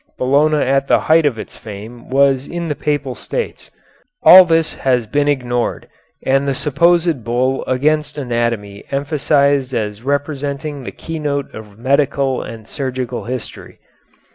Bologna at the height of its fame was in the Papal States. All this has been ignored and the supposed bull against anatomy emphasized as representing the keynote of medical and surgical history.